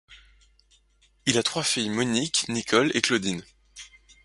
Il a trois filles Monique, Nicole et Claudine.